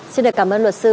xin được cảm ơn luật sư